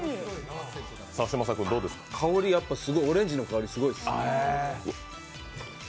香りがやっぱり、オレンジの香りすごいですね。